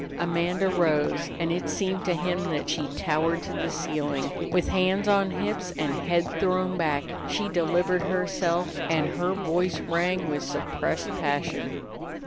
Amanda rose, and it seemed to him that she towered to the ceiling. With hands on hips and head thrown back, she delivered herself, and her voice rang with suppressed passion.